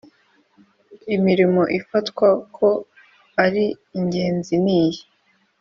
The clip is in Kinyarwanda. imirimo ifatwa ko ari ingenzi niyi